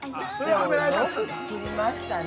◆でも、よく作りましたね